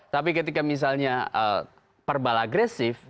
tapi ketika misalnya verbal agresif